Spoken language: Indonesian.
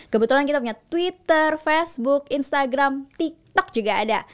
kebetulan kita punya twitter facebook instagram tiktok juga ada